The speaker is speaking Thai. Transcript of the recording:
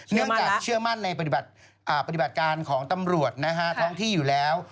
เนื่องจากเชื่อมั่นในปฏิบัติการของตำรวจท้องที่อยู่แล้ว